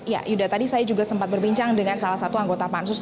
ya yuda tadi saya juga sempat berbincang dengan salah satu anggota pansus